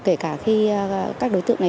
kể cả khi các đối tượng này